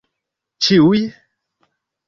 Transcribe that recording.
ĉiuj